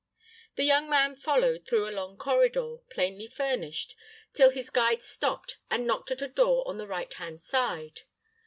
The young man followed through a long corridor, plainly furnished, till his guide stopped and knocked at a door on the right hand side.